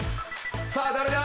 さあ誰だ？